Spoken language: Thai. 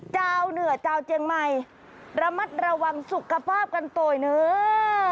เหนือเจ้าเจียงใหม่ระมัดระวังสุขภาพกันโตยเนอะ